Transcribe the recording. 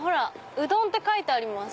「うどん」って書いてます。